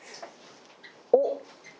おっ。